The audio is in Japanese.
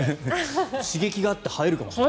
刺激があって生えるかもしれない。